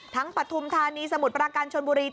ปฐุมธานีสมุทรปราการชนบุรี